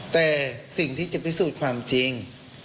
แต่สิ่งที่จะพิสูจน์ความจริง